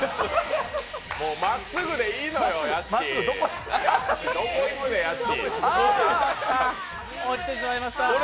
もうまっすぐでいいのよどこ行くねん、屋敷。